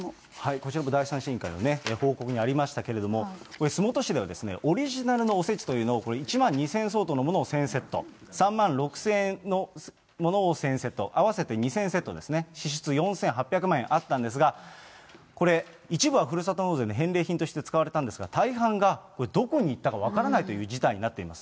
こちらも第三者委員会の報告にありましたけれども、これ、洲本市では、オリジナルのおせちというのを、１万２０００円相当のものを１０００セット、３万６０００円のものを１０００セット、合わせて２０００セットですね、支出４８００万円あったんですが、これ、一部はふるさと納税の返礼品として使われたんですが、大半がどこにいったか分からないという事態になっています。